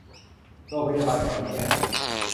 โรงพยาบาลขอนแก่น